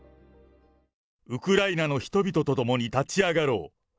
ウクライナの人々と共に立ち上がろう！